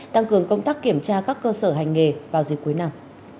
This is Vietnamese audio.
tăng cường công tác kiểm tra các cơ sở hành nghề vào dịp cuối năm